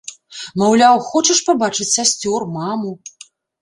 Маўляў, хочаш пабачыць сясцёр, маму?